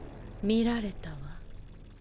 見られたわ。